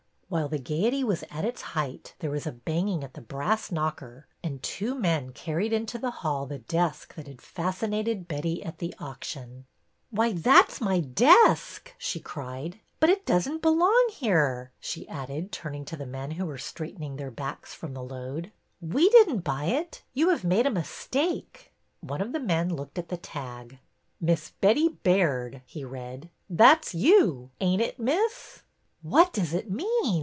While the gayety was at its height there was a banging at the brass knocker and two men car ried into the hall the desk that had fascinated Betty at the auction. Why, that 's my desk! " she cried. But it does n't belong here," she added, turning to the men who were straightening their backs from the THE AUCTION 149 load. ''We didn't buy it. You have made a mistake." One of the men looked at the tag. "' Miss Betty Baird/ " he read. " That 's you, ain't it, Miss? " "What does it mean?"